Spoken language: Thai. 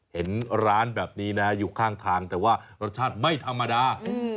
เห็นร้านแบบนี้นะอยู่ข้างทางแต่ว่ารสชาติไม่ธรรมดา